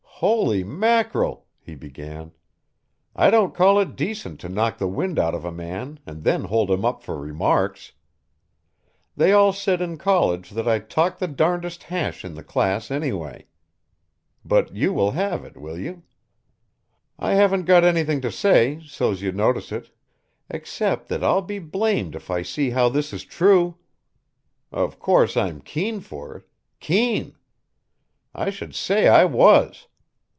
"Holy mackerel," he began "I don't call it decent to knock the wind out of a man and then hold him up for remarks. They all said in college that I talked the darnedest hash in the class, anyway. But you will have it, will you? I haven't got anything to say, so's you'd notice it, except that I'll be blamed if I see how this is true. Of course I'm keen for it Keen! I should say I was!